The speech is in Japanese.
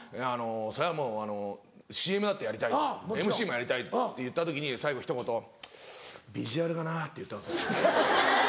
そりゃＣＭだってやりたいＭＣもやりたい」って言った時に最後ひと言「ビジュアルがな」って言ったんです。